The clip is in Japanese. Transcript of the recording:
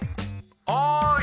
おい！